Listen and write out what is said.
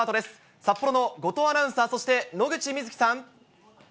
札幌の後藤アナウンサー、そして野口みずきさん。